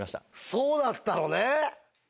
そうだったのね！